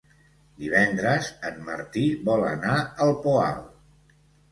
Divendres en Martí vol anar al Poal.